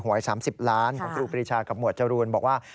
หวย๓๐ล้านของครูปรีชากับหมวดจรูนบอกว่า